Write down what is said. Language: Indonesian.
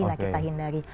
nah kita hindari